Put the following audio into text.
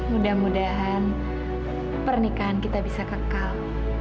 mudah mudahan pernikahan kita bisa kekal